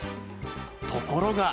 ところが。